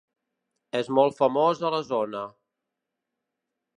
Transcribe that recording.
És molt famós a la zona.